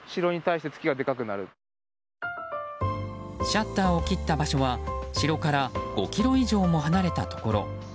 シャッターを切った場所は城から５ｋｍ以上も離れたところ。